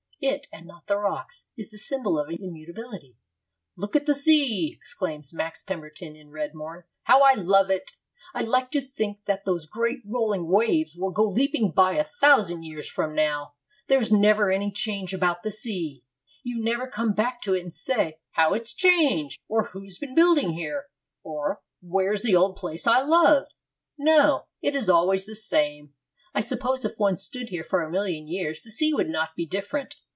It, and not the rocks, is the symbol of immutability. 'Look at the sea!' exclaims Max Pemberton, in Red Morn. 'How I love it! I like to think that those great rolling waves will go leaping by a thousand years from now. There is never any change about the sea. You never come back to it and say, "How it's changed!" or "Who's been building here?" or "Where's the old place I loved?" No; it is always the same. I suppose if one stood here for a million years the sea would not be different.